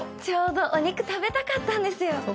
ちょうどお肉食べたかったんですよ。